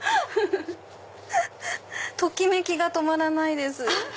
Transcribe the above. ときめきが止まらないです！